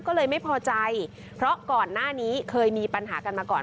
ก็เลยไม่พอใจเพราะก่อนหน้านี้เคยมีปัญหากันมาก่อน